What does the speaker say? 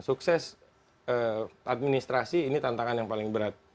sukses administrasi ini tantangan yang paling berat